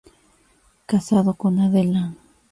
Casado con Adela.